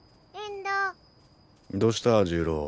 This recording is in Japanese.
どうした重郎。